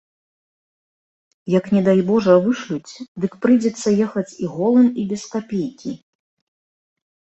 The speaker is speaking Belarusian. Як не дай божа вышлюць, дык прыйдзецца ехаць і голым і без капейкі.